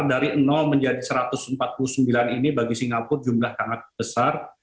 dari menjadi satu ratus empat puluh sembilan ini bagi singapura jumlah sangat besar